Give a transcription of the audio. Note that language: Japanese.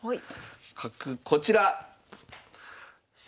角こちら。